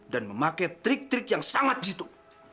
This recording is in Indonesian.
dan memakai trik trik yang sangat jitu